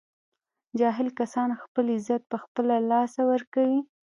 جاهل کسان خپل عزت په خپله له لاسه ور کوي